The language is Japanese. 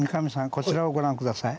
こちらをご覧下さい。